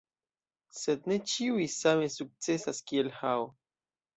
Sed ne ĉiuj same sukcesas kiel Hao.